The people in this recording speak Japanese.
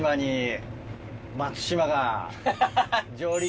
上陸。